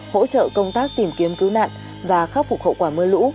hỗ trợ công tác tìm kiếm cứu nạn và khắc phục hậu quả mưa lũ